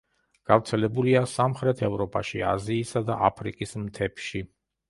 გავრცელებულია სამხრეთ ევროპაში, აზიისა და აფრიკის მთებში.